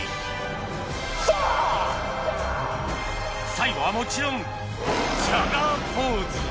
最後はもちろんジャガーポーズ